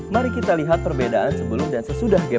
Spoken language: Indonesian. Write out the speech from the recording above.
mari kita lihat perbedaan sebelum dan sesudah